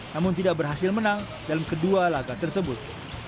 namun tidak berhasil menang dalam kedua laga tersebut